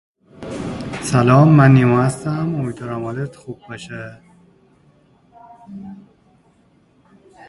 A variable named with just an underscore often has special meaning.